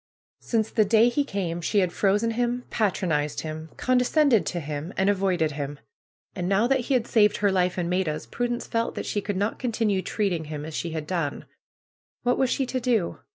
Since the day he came she had frozen him, patronized him, condescended to him, and avoided him. And now that he had saved her life and Maida's, Prudence felt that she could not continue treating him as she had done. What was she to do?